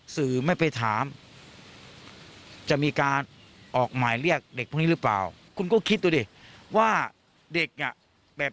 สื่อไม่ไปถามจะมีการออกหมายเรียกเด็กพวกนี้หรือเปล่าคุณก็คิดดูดิว่าเด็กอ่ะแบบ